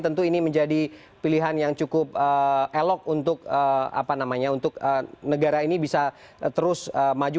tentu ini menjadi pilihan yang cukup elok untuk negara ini bisa terus maju